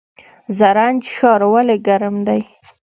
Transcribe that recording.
زرنج ښار ولې ګرم دی؟